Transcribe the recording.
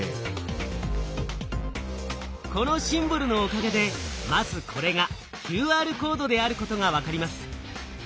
このシンボルのおかげでまずこれがＱＲコードであることが分かります。